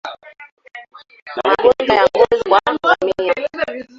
Magonjwa ya ngozi kwa ngamia